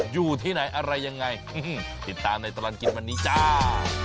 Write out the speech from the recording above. อยู่ที่ไหนอะไรยังไงติดตามในตลอดกินวันนี้จ้า